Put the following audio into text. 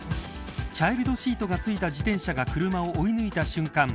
チャイルドシートが付いた自転車が車を追い抜いた瞬間